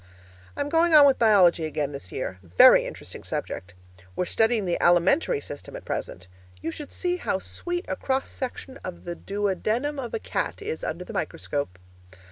I'm going on with biology again this year very interesting subject; we're studying the alimentary system at present. You should see how sweet a cross section of the duodenum of a cat is under the microscope.